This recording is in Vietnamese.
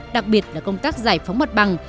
đặc biệt là công tác giải phóng mặt bằng